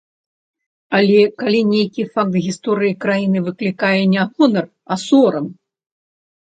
Але, калі нейкі факт гісторыі краіны выклікае не гонар, а сорам?